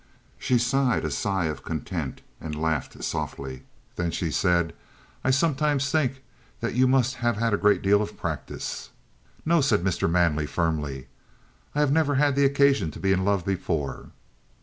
She sighed a sigh of content and laughed softly. Then she said: "I sometimes think that you must have had a great deal of practice." "No," said Mr. Manley firmly. "I have never had occasion to be in love before."